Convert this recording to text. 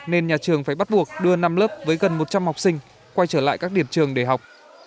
nên nhà trường phải bắt buộc đưa năm lớp với gần một trăm linh học sinh quay trở lại các điểm trường để học